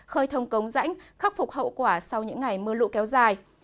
khơi thông cống rãnh khắc phục hậu quả sau những ngày mưa lụ kéo dài